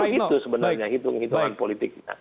nah itu sebenarnya hitung hitungan politiknya